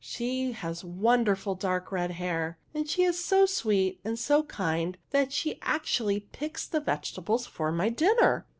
'* She has wonder ful dark red hair, and she is so sweet and so kind that she actually picks the vegetables for my dinner